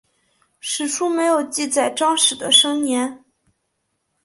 史书没有记载张氏的生年。